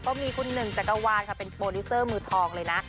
ก็มีคุณหนึ่งจักรวาลค่ะเป็นโปรดิวเซอร์มือทองเลยนะ